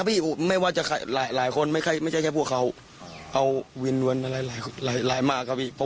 บอกว่ามาดีซื้อประมาณนั้นครับพี่